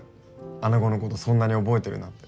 穴子のことそんなに覚えてるなんて。